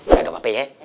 gak apa apa ya